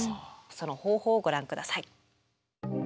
その方法をご覧下さい。